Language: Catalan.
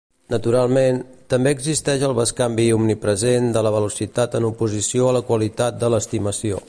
Naturalment, també existeix el bescanvi omnipresent de la velocitat en oposició a la qualitat de l'estimació.